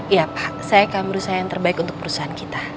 ya pak saya akan berusaha yang terbaik untuk perusahaan kita